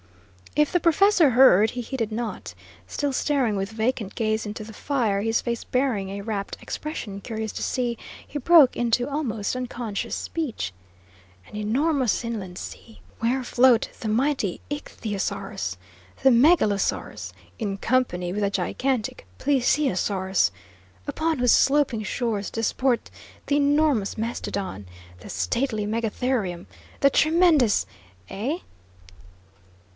If the professor heard, he heeded not. Still staring with vacant gaze into the fire, his face bearing a rapt expression curious to see, he broke into almost unconscious speech: "An enormous inland sea! Where float the mighty ichthyosaurus, the megalosaurus, in company with the gigantic plesiosaurus! Upon whose sloping shores disport the enormous mastodon, the stately megatherium, the tremendous eh?"